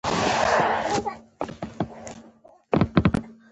زه یې د ځوانو لیکوالو لپاره لوستل مهم بولم.